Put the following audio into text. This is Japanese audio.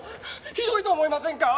ひどいと思いませんか！？